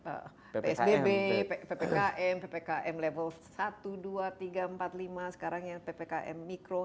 psbb ppkm ppkm level satu dua tiga empat puluh lima sekarang ya ppkm mikro